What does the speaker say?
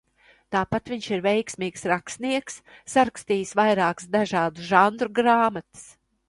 Tāpat viņš ir veiksmīgs rakstnieks – sarakstījis vairākas dažādu žanru grāmatas.